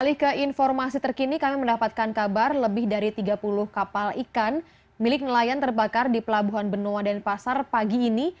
alih ke informasi terkini kami mendapatkan kabar lebih dari tiga puluh kapal ikan milik nelayan terbakar di pelabuhan benoa dan pasar pagi ini